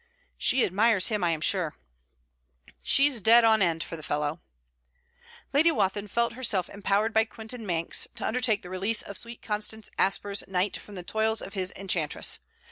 'She admires him, I am sure.' 'She's dead on end for the fellow!' Lady Wathin felt herself empowered by Quintin Manx to undertake the release of sweet Constance Asper's knight from the toils of his enchantress.